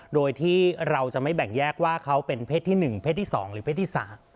โดยที่เราจะไม่แบ่งแยกว่าเขาเป็นเพศที่๑เพศที่๒หรือเพศที่๓